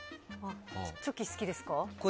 チョキ好きですか？